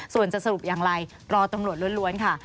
ส่วนจะสรุปอย่างไรรอตำรวจล้วนค่ะ